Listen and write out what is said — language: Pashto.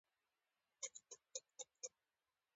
لیکوال د روښان فکر خاوند وي.